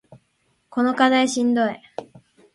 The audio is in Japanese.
この課題しんどい